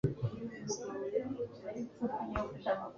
ko umurambo w'Umwami wabo bakunda wakorewe ibikwiriye byose.